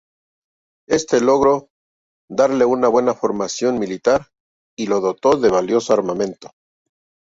Éste logró darle una buena formación militar y lo dotó de valioso armamento.